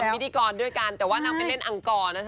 แบบวิธีกรด้วยกันแต่ว่านั่งเป็นเล่นอังกอร์นะเถอะ